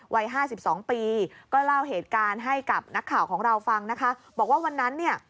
วัยห้าสิบสองปีก็เล่าเหตุการณ์ให้กับนักข่าวของเราฟังนะคะบอกว่าวันนั้นเนี่ย